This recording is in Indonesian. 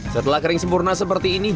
setelah kering sempurna seperti ini